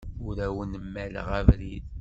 Ur awen-mmaleɣ abrid.